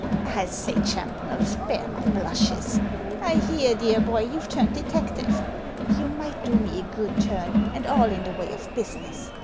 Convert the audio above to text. "I say, Champnell, spare my blushes! I hear, dear boy, you've turned detective ; you might do me a good turn, and all in the way of business.